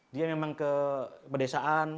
dia memang ke pedesaan